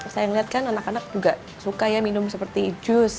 saya ngeliat kan anak anak juga suka ya minum seperti jus